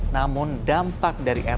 namun dampak dari erupsi